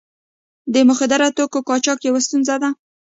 د مخدره توکو قاچاق یوه ستونزه ده.